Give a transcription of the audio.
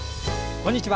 こんにちは。